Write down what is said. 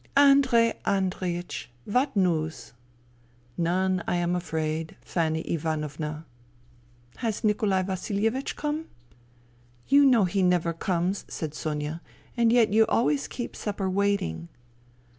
" Andrei Andreiech ! What news ?"" None, I am afraid, Fanny Ivanovna." " Has Nikolai Vasilievich come ?"" You know he never comes," said Sonia, " and yet you always keep supper waiting."